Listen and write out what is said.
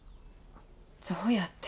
どうやって。